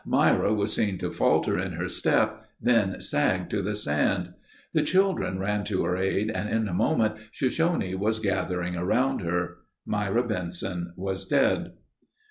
Myra was seen to falter in her step, then sag to the sand. The children ran to her aid and in a moment Shoshone was gathering about her. Myra Benson was dead.